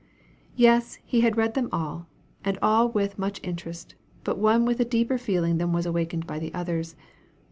Yes he had read them all, and all with much interest, but one with a deeper feeling than was awakened by the others.